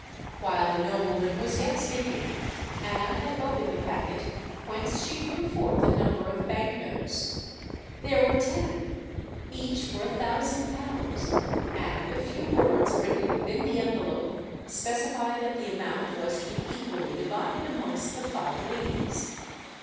While the nobleman was yet speaking, Anna had opened the packet, whence she drew forth a number of Bank notes. There were ten—each for a thousand pounds; and a few words written within the envelope specified that the amount was to be equally divided amongst the five ladies.